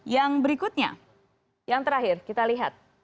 yang berikutnya yang terakhir kita lihat